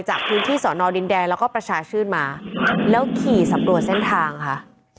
จากพื้นที่สอนอดินแดงแล้วก็ประชาชื่นมาแล้วขี่สำรวจเส้นทางค่ะ